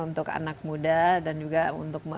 untuk anak muda dan juga untuk